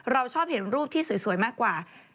เราชอบเห็นรูปที่สวยมากกว่า